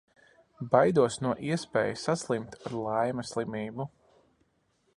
Baidos no iespējas saslimt ar Laima slimību.